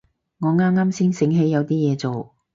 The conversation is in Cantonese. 我啱啱先醒起有啲嘢做